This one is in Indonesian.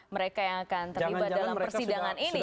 mereka yang akan terlibat dalam persidangan ini